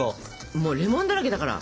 もうレモンだらけだから。